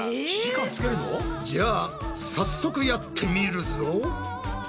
じゃあ早速やってみるぞ！